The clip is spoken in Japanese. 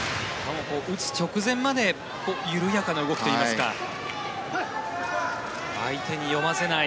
打つ直前まで緩やかな動きといいますか相手に読ませない